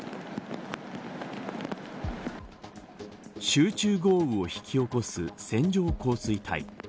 集中豪雨を引き起こす線状降水帯。